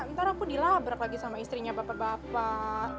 ntar aku dilabrak lagi sama istrinya bapak bapak